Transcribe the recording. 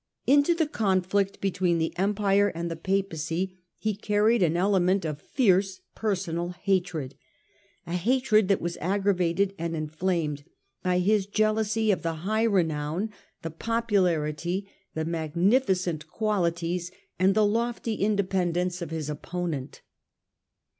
Into the conflict between the Empire and the Papacy he carried an element of fierce personal hatred, a hatred that was aggravated and inflamed by his jealousy of the high renown, the popularity, the magnificent qualities and the lofty independence of his opponent.